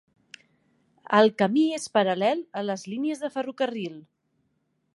El camí és paral·lel a les línies de ferrocarril.